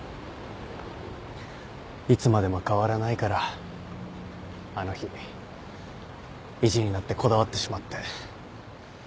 いつまでも変わらないからあの日意地になってこだわってしまって。